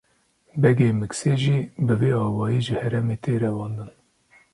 Begê Miksê jî bi vî awayî ji herêmê tê revandin.